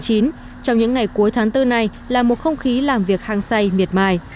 trong những ngày cuối tháng bốn này là một không khí làm việc hăng say miệt mài